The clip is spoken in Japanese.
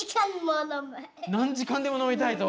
何時間でも飲みたいと。